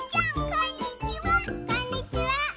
こんにちは！